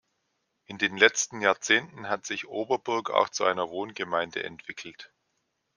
In den letzten Jahrzehnten hat sich Oberburg auch zu einer Wohngemeinde entwickelt.